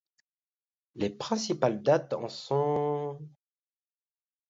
Les principales dates en sont...